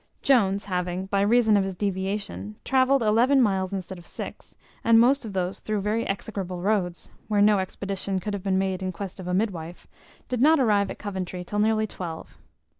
Jones having, by reason of his deviation, travelled eleven miles instead of six, and most of those through very execrable roads, where no expedition could have been made in quest of a midwife, did not arrive at Coventry till near twelve.